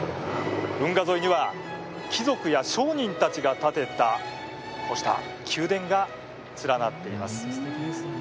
運河沿いには貴族や商人たちが建てたこうした宮殿が連なっています。